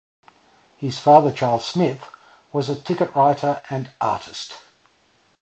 His father Charles Smith was a ticket-writer and artist.